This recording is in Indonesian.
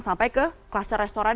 sampai ke kluster restoran